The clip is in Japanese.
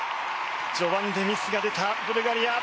序盤でミスが出たブルガリア。